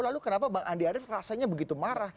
lalu kenapa bang andi arief rasanya begitu marah